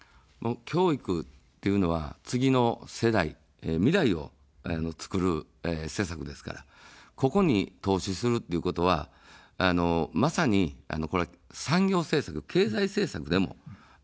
教育というのは次の世代、未来をつくる施策ですから、ここに投資するということは、まさに、産業政策、経済政策でもあるわけです。